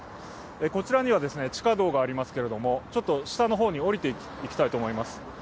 こちらには地下道がありますけれども、ちょっと下の方に降りていきたいと思います。